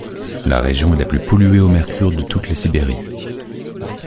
La région est la plus polluée au mercure de toute la Sibérie.